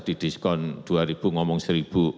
jadi diskon dua ribu ngomong seribu